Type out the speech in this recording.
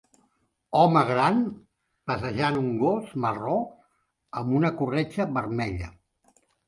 Home gran passejant un gos marró amb una corretja vermella.